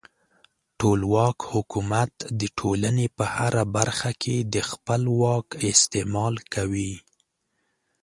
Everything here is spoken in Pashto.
ټولواک حکومت د ټولنې په هره برخه کې د خپل واک استعمال کوي.